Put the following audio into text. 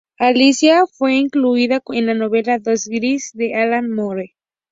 Alicia fue incluida en la novela Lost Girls de Alan Moore.